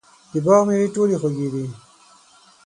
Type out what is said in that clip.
د باغ مېوې ټولې خوږې دي.